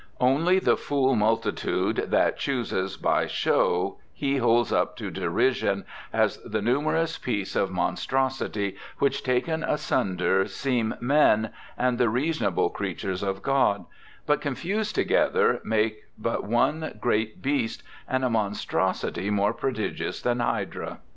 Only the ' fool multitude ' that chooses by show he holds up to derision as ' that numerous piece of mon strosit}^ which, taken asunder, seem men, and the reasonable creatures of God ; but confused together, make but one great beast, and a monstrosity more pro digious than Hydra